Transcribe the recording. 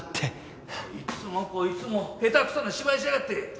どいつもこいつも下手くそな芝居しやがって！